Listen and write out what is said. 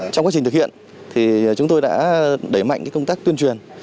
trong quá trình thực hiện chúng tôi đã đẩy mạnh công tác tuyên truyền